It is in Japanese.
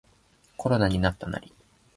コロナになったナリ